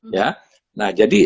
ya nah jadi